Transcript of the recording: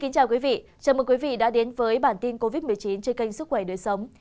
chào mừng quý vị đã đến với bản tin covid một mươi chín trên kênh sức khỏe đời sống